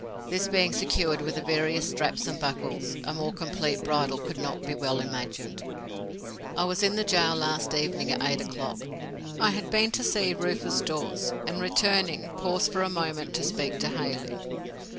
This being secured with the various straps and buckles, a more complete bridle could not be well imagined. I was in the gaol last evening at eight o'clock. I had been to see Rufus Dawes, and returning, paused for a moment to speak to Hailey.